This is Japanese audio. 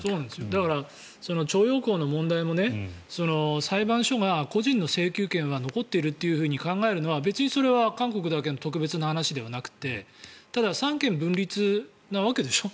だから徴用工の問題も裁判所が個人の請求権は残っているというふうに考えるのはそれは別に韓国だけの特別な話ではなくてただ、三権分立なわけでしょ？